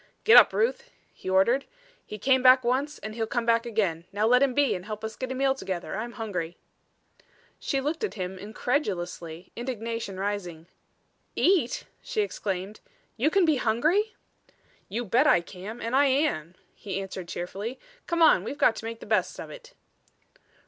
"Get up, Ruth," he ordered. "He came back once and he'll come back again. Now let him be and help us get a meal together. I'm hungry." She looked up at him, incredulously, indignation rising. "Eat!" she exclaimed. "You can be hungry?" "You bet I can and I am," he answered cheerfully. "Come on; we've got to make the best of it."